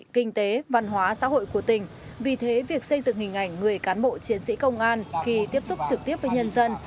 kinh tế văn hóa xã hội của tỉnh vì thế việc xây dựng hình ảnh người cán bộ chiến sĩ công an khi tiếp xúc trực tiếp với nhân dân